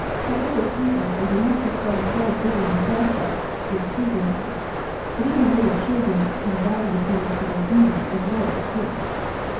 That little sweetness was enough to set us all digging the bulbs up with table knives, but even little children can value things for their beauty as well as taste.